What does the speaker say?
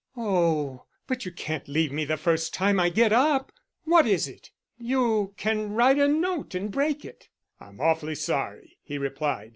"Oh, but you can't leave me the first time I get up. What is it? You can write a note and break it." "I'm awfully sorry," he replied.